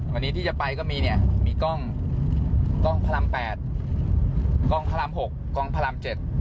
วันนี้ที่จะไปก็มีเนี่ยมีกล้องกล้องพระราม๘กล้องพระราม๖กองพระราม๗